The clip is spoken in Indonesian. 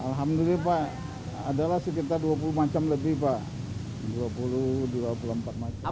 alhamdulillah pak adalah sekitar dua puluh macam lebih pak dua puluh dua puluh empat macam